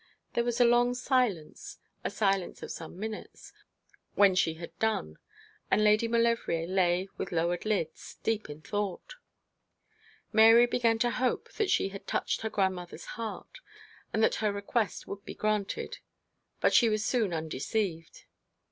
There was a long silence, a silence of some minutes, when she had done; and Lady Maulevrier lay with lowered eyelids, deep in thought. Mary began to hope that she had touched her grandmother's heart, and that her request would be granted: but she was soon undeceived.